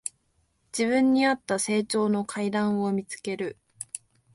自分にあった成長の階段を見つける